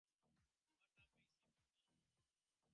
আমার নাম Maisie Bramble, কিন্তু আপনার পরিচয় জানানোর প্রয়োজন নেই।